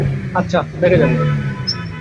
আচ্ছা দেখা যাবে।